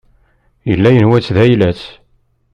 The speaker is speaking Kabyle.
Yella yenwa-tt d ayla-s.